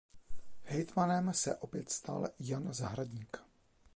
Hejtmanem se opět stal Jan Zahradník.